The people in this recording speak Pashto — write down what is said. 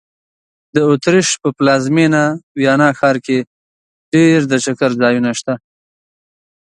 د اوترېش په پلازمېنه ویانا ښار کې ډېر د چکر ځایونه سته.